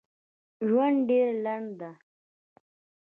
ژوند ډېر لنډ ده